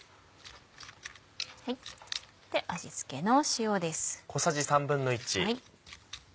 味付けの塩です。